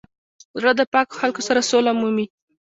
زړه د پاکو خلکو سره سوله مومي.